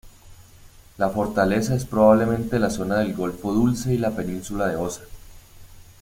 La fortaleza es probablemente la zona del golfo Dulce y la península de Osa.